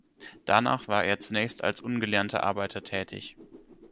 Danach war er zunächst als ungelernter Arbeiter tätig.